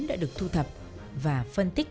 đã được thu thập và phân tích